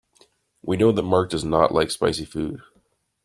We know that Mark does not like spicy food.